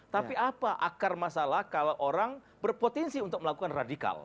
tapi apa akar masalah kalau orang berpotensi untuk melakukan radikal